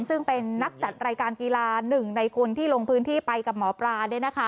ซึ่งเป็นนักจัดรายการกีฬาหนึ่งในคนที่ลงพื้นที่ไปกับหมอปลา